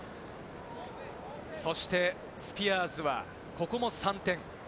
そしてスピアーズは、ここも３点。